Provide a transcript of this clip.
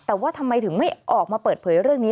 แต่ว่าทำไมถึงไม่ออกมาเปิดเผยเรื่องนี้